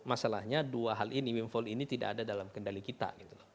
masalahnya dua hal ini windfall ini tidak ada dalam kendali kita